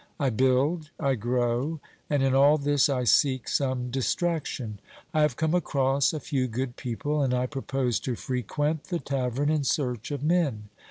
I build, I grow, and in all this I seek some distraction. I have come across a few good people, and I propose to frequent the tavern in search of men.